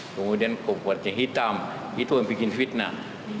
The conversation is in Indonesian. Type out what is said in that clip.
kemudian kompornya hitam itu yang bikin fitnah